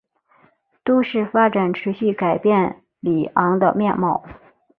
都市发展持续改变里昂的面貌。